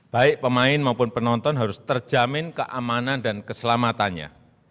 baik pemain maupun penonton harus terjamin keamanan dan keselamatannya